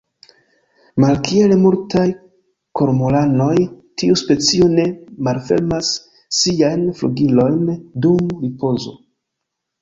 Malkiel multaj kormoranoj, tiu specio ne malfermas siajn flugilojn dum ripozo.